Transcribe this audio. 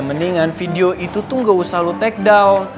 mendingan video itu tuh gak usah lo take down